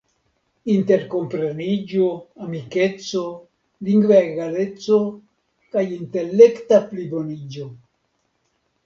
interkompreniĝo, amikeco, lingva egaleco, kaj intelekta pliboniĝo.